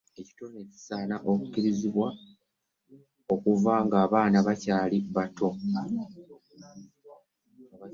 Ebitone bisaana okukuzibwa okuva ng'abaana bakyali bato.